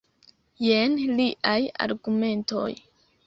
Jen liaj argumentoj.